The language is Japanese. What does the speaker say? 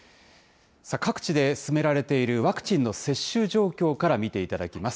各地で進められているワクチンの接種状況から見ていただきます。